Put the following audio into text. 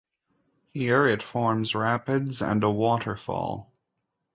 Here, it forms rapids and a waterfall.